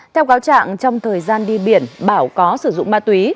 theo cáo trạng trong thời gian đi biển bảo có sử dụng ma túy